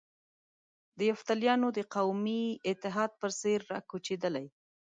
د یفتلیانو د قومي اتحاد په څېر را کوچېدلي.